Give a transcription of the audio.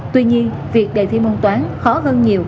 tuy nhiên việc đề thi môn toán khó hơn nhiều